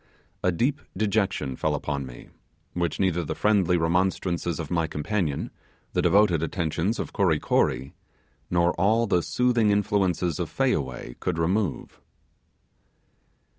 A deep dejection fell upon me, which neither the friendly remonstrances of my companion, the devoted attentions of Kory Kory nor all the soothing influences of Fayaway could remove.